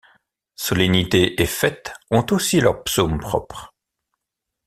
Solennités et fêtes ont aussi leurs psaumes propres.